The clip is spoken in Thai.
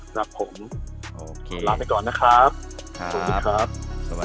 ครับผมออกลาไปก่อนนะครับ